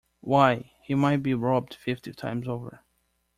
Why, he might be robbed fifty times over!